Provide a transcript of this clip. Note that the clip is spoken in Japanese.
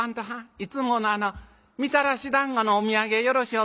いつものあのみたらしだんごのお土産よろしゅう